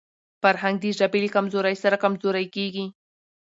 فرهنګ د ژبي له کمزورۍ سره کمزورې کېږي.